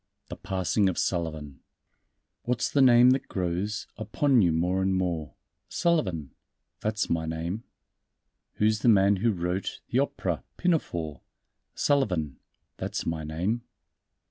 _ The Passing of Sullivan "What's the name that grows Upon you more and more?" "Sullivan!" "That's my name." "Who's the man who wrote The opera, Pinafore?" "Sullivan!" "That's my name."